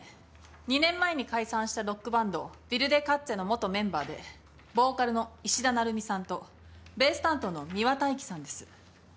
２年前に解散したロックバンドＷＩＬＤＥＫＡＴＺＥの元メンバーでボーカルの衣氏田鳴海さんとベース担当の美和大樹さんです。